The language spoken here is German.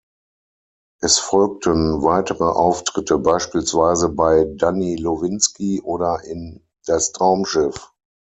Es folgten weitere Auftritte beispielsweise bei "Danni Lowinski" oder in "Das Traumschiff".